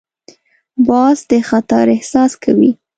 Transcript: باز د خطر احساس کوي